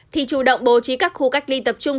thì chủ động bố trí các khu cách ly tập trung